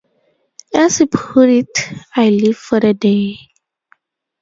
As he put it, I live for the day.